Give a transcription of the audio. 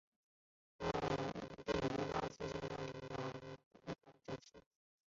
蒂茹卡斯是巴西圣卡塔琳娜州的一个市镇。